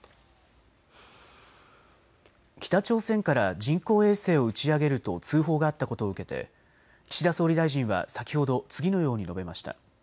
北朝鮮から人工衛星を打ち上げると通報があったことを受けて岸田総理大臣は先ほど次のように述べました。